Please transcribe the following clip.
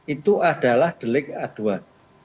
itu adalah delik aduan